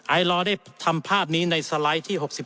ไอลอร์ได้ทำภาพนี้ในสไลด์ที่๖๑